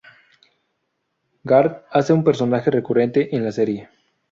Garth hace un personaje recurrente en la serie.